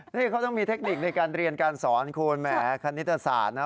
นี่เขาต้องมีเทคนิคในการเรียนการสอนคุณแหมคณิตศาสตร์นะ